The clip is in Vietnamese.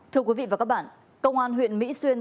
thưa quý vị và các bạn công an huyện mỹ xuyên